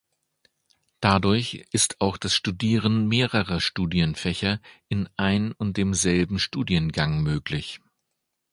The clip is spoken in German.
Dadurch ist auch das Studieren mehrerer Studienfächer in ein und demselben Studiengang möglich.